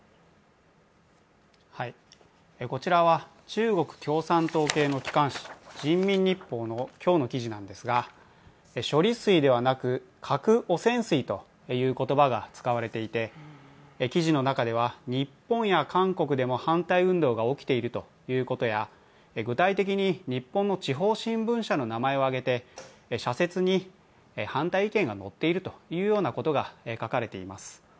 こちらは中国共産党系の機関紙「人民日報」の今日の記事なんですが処理水ではなく、核汚染水という言葉が使われていて記事の中では、日本や韓国でも反対運動が起きているということや具体的に日本の地方新聞社の名前を挙げて社説に反対意見が載っているというようなことが書かれています。